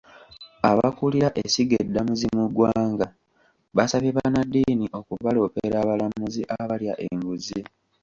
Abakulira essiga eddamuzi mu ggwanga, basabye bannaddiini okubaloopera abalamuzi abalya enguzi.